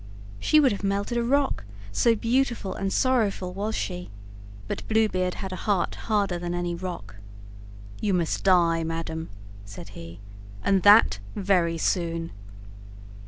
She would have melted a rock, so beautiful and sorrowful was she; but Blue Beard had a heart harder than any rock! "You must die, madam," said he, "and that; very soon."